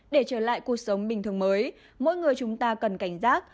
để trở lại cuộc sống bình thường mới mỗi người chúng ta cần cảnh giác